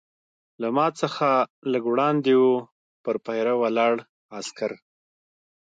له ما څخه لږ څه وړاندې وه، پر پیره ولاړ عسکر.